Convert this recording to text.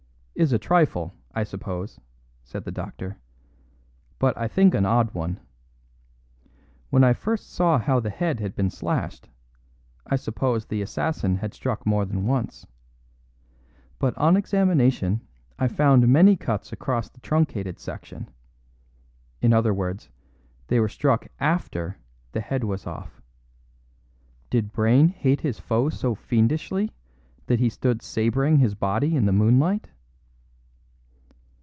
"Is a trifle, I suppose," said the doctor, "but I think an odd one. When I first saw how the head had been slashed, I supposed the assassin had struck more than once. But on examination I found many cuts across the truncated section; in other words, they were struck after the head was off. Did Brayne hate his foe so fiendishly that he stood sabring his body in the moonlight?"